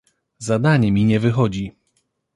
Zadanie mi nie wychodzi!